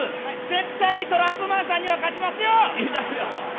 絶対にトランプマンさんには勝ちますよ！